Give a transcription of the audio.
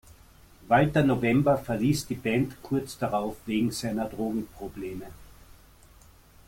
Walter November verließ die Band kurz darauf wegen seiner Drogenprobleme.